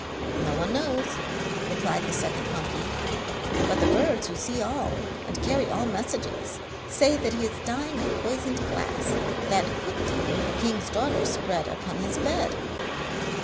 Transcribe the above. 'No man knows,' replied the second monkey, 'but the birds, who see all and carry all messages, say that he is dying of poisoned glass that Kupti the king's daughter spread upon his bed.'